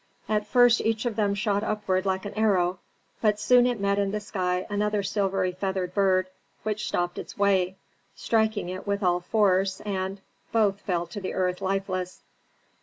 At first each of them shot upward like an arrow, but soon it met in the sky another silvery feathered bird, which stopped its way, striking it with all force and both fell to the earth lifeless.